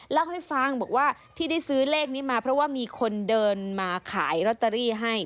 เล่าให้ฟังบอกว่าที่ได้ซื้อเลขนี้มาเพราะว่ามีคนเดินมาขายลอตเตอรี่ให้